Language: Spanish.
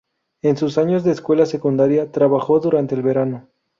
En sus años de escuela secundaria, trabajó durante el verano.